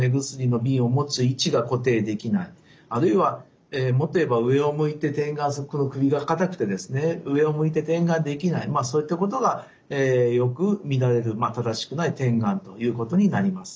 あるいは持てば上を向いて点眼するこの首が硬くてですね上を向いて点眼できないそういったことがよく見られる正しくない点眼ということになります。